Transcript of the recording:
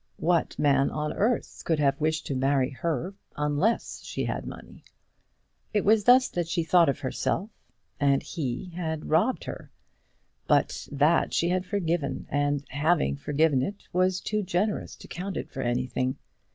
What man on earth could have wished to marry her unless she had had money? It was thus that she thought of herself. And he had robbed her! But that she had forgiven; and, having forgiven it, was too generous to count it for anything.